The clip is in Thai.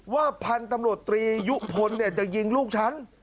ว่าพันธมรตรียุพลเนี่ยจะยิงลูกฉัน